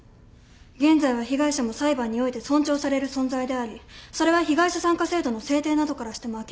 現在は被害者も裁判において尊重される存在でありそれは被害者参加制度の制定などからしても明らかです。